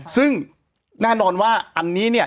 ซึ่งแน่นอนว่าอันนี้เนี่ย